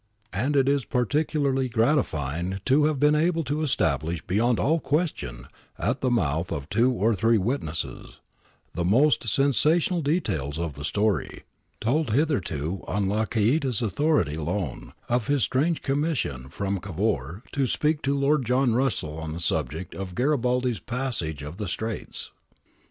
And it is particularly gratify ing to have been able to establish beyond all question at PREFACE ix the mouth of two or three witnesses, the most sen sational details of the story, told hitherto on Lacaita's authority alone, of his strange commission from Cavour to speak to Lord John Russell on the subject of Garibaldi's passage of the Straits (pp.